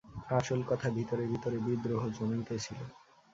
আসল কথা, ভিতরে ভিতরে বিদ্রোহ জমিতেছিল।